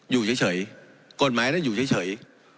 อยู่เฉยกฎหมายนั้นอยู่เฉย